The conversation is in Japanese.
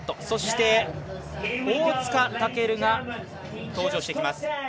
そして、大塚健が登場してきます。